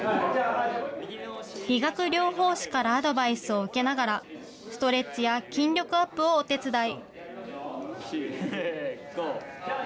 理学療法士からアドバイスを受けながら、ストレッチや筋力アップをお手伝い。